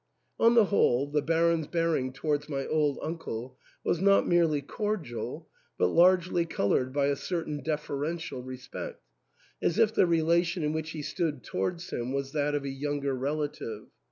On the whole, the Baron's bearing towards my old uncle was not merely cordial, but largely coloured by a certain deferential respect, as if the relation in which he stood towards him was that of a younger relative.